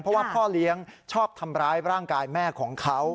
เพราะว่าพ่อเลี้ยงชอบทำร้ายร่างกายแม่ของเขา